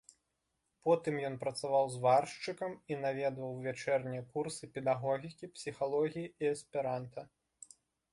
Потым ён працаваў зваршчыкам і наведваў вячэрнія курсы педагогікі, псіхалогіі і эсперанта.